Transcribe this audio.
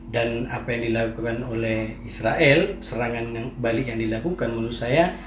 dan apa yang dilakukan oleh israel serangan balik yang dilakukan menurut saya